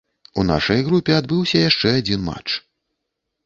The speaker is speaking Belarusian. У нашай групе адбыўся яшчэ адзін матч.